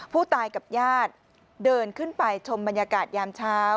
ผู้ตายกับญาติเดินขึ้นไปชมบรรยากาศยามเช้า